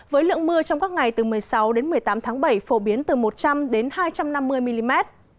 với lượng mưa trong các ngày từ một mươi sáu đến một mươi tám tháng bảy phổ biến từ một trăm linh hai trăm năm mươi mm